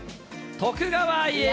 徳川家康。